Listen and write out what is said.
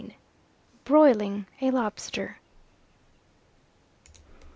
BROILING A LOBSTER.